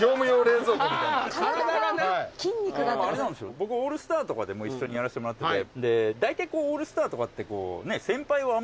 僕オールスターとかでも一緒にやらせてもらっててだいたいオールスターとかこう。